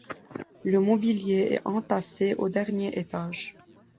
Le mobilier est entassé au dernier étage.